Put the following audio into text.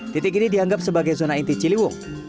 titik ini dianggap sebagai zona inti ciliwung